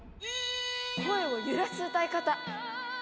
声を揺らす歌い方。